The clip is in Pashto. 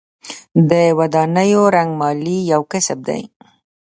د ودانیو رنګمالي یو کسب دی